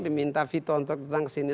diminta vito untuk datang kesini